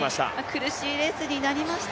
苦しいレースになりました、